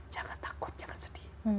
jangan takut jangan sedih